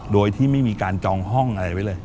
โดยที่ไม่มีการจองห้องอะไรไว้เลย